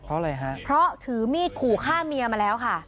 เพราะอะไรฮะเพราะถือมีดขู่ฆ่าเมียมาแล้วค่ะ